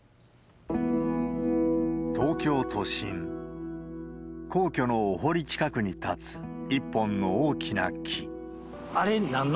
東京都心、皇居のお堀近くに立つ一本の大きな木。